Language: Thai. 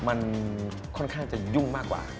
มันค่อนข้างจะยุ่งมากกว่า